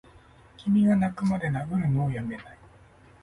君がッ泣くまで殴るのをやめないッ！